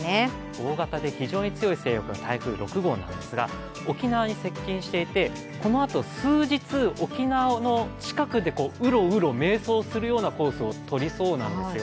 大型で非常に強い勢力の台風６号なんですが沖縄に接近していて、このあと数日、沖縄の近くでうろうろ迷走するようなコースをとりそうなんですよ。